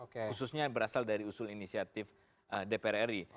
khususnya berasal dari usul inisiatif dpr ri